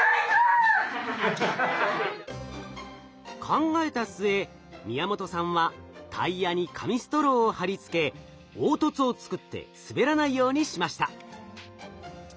考えた末宮本さんはタイヤに紙ストローを貼り付け凹凸を作って滑らないようにしました。